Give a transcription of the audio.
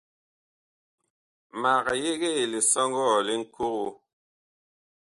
Mag yegee lisɔŋgɔɔ li Ŋkogo.